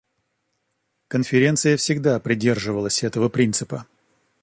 Конференция всегда придерживалась этого принципа.